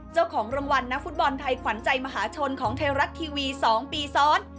เจ้าของรางวัลนักฟุตบอลไทยขวัญใจมหาชนของไทยรัฐทีวี๒ปีซ้อน